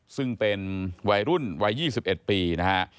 ซึ่งเป็นวัยรุ่นวัย๒๑ปีนะฮะ